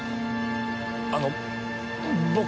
あの僕は。